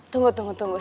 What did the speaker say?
tunggu tunggu tunggu